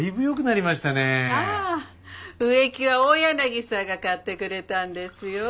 ああ植木は大柳さんが刈ってくれたんですよ。